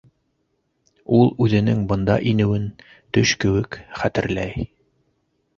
Ул үҙенең бында инеүен төш кеүек хәтерләй.